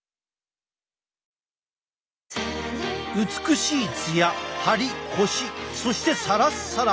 美しいツヤハリコシそしてサラサラ。